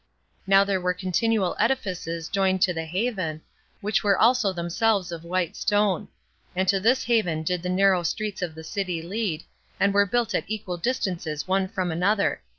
Now there were continual edifices joined to the haven, which were also themselves of white stone; and to this haven did the narrow streets of the city lead, and were built at equal distances one from another.